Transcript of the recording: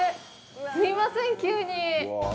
すいません、急に。